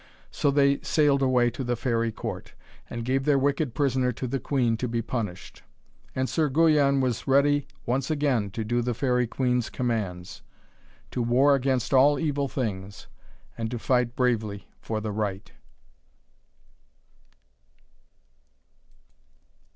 So they sailed away to the fairy court, and gave their wicked prisoner to the queen to be punished. And Sir Guyon was ready once again to do the Faerie Queen's commands, to war against all evil things, and to fight bravely for the right.